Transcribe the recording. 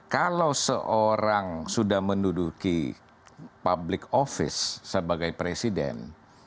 kalau seorang sudah menduduki public office sebagai presiden